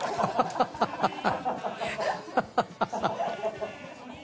ハハハハ！